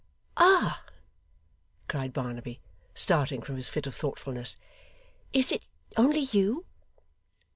'Ah!' cried Barnaby, starting from his fit of thoughtfulness. 'Is it only you?